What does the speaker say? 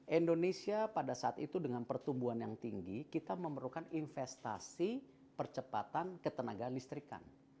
indonesia pada saat itu dengan pertumbuhan yang tinggi kita memerlukan investasi percepatan ketenagaan listrikan